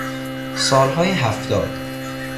سالهای هفتاد